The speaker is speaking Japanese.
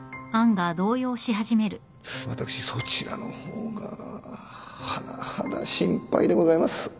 私そちらの方が甚だ心配でございます。